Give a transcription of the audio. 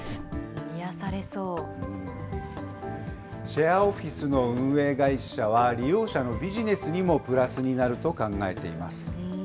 シェアオフィスの運営会社は、利用者のビジネスにもプラスになると考えています。